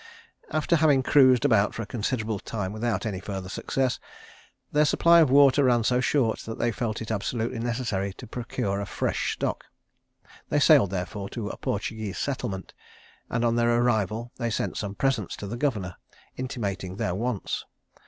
After having cruised about for a considerable time without any further successes, their supply of water ran so short, that they felt it absolutely necessary to procure a fresh stock. They sailed, therefore, to a Portuguese settlement; and, on their arrival, they sent some presents to the governor, intimating their wants.